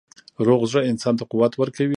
روغ زړه انسان ته قوت ورکوي.